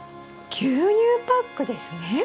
牛乳パックですね？